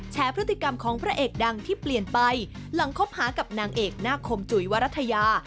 พฤติกรรมของพระเอกดังที่เปลี่ยนไปหลังคบหากับนางเอกหน้าคมจุ๋ยวรัฐยา